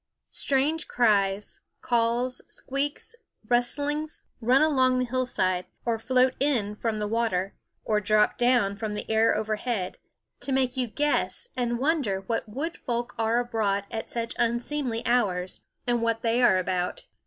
Strange cries, calls, squeaks, rustlings run along the hillside, or float in from the water, or drop down from the air overhead, to make you guess and wonder what wood folk are abroad at such unseemly hours, and what they are about.